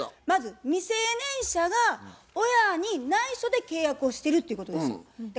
まず未成年者が親に内緒で契約をしてるっていうことですよ。